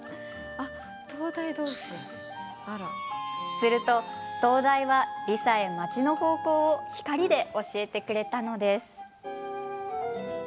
すると、灯台はリサへ町への方向を光で教えてくれたのです。